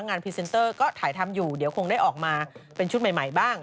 พรีเซนเตอร์ก็ถ่ายทำอยู่เดี๋ยวคงได้ออกมาเป็นชุดใหม่บ้าง